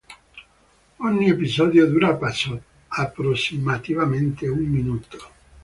Ogni episodio dura approssimativamente un minuto.